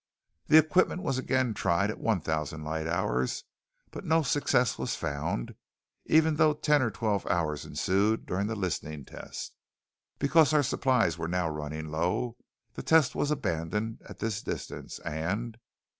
"'The equipment was again tried at one thousand light hours, but no success was found even though ten or twelve hours ensued during the listening test. Because our supplies were now running low, the test was abandoned at this distance and....'